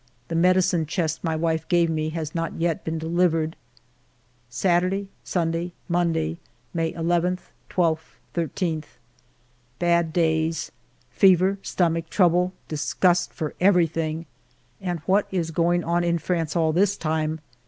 The medicine chest my wife gave me has not yet been delivered. Saturday J Sunday, Monday, May II, 12, 13. Bad days. Fever, stomach trouble, disgust for everything. And what is going on in France all this time